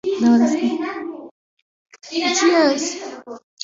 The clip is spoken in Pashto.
غول د بدن د منځ خبروالی دی.